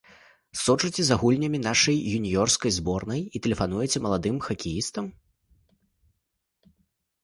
Сочыце за гульнямі нашай юніёрскай зборнай і тэлефануеце маладым хакеістам.